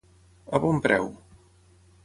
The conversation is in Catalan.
A bon preu.